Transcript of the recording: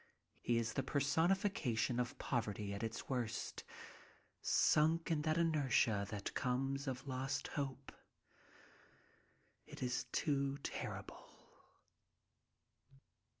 He is the personification of poverty at its worst, sunk in that inertia that comes of lost hope. It is too terrible.